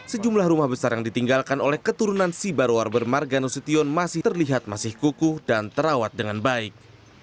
sejumlah rumah besar yang ditinggalkan oleh keturunan sibarwar bermarganusution masih terlihat masih kukuh dan terawat dengan baik